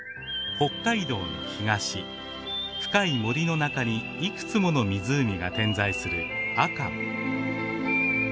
北海道の東深い森の中にいくつもの湖が点在する阿寒。